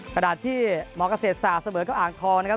ขณะที่มเกษตรศาสตร์เสมอกับอ่างทองนะครับ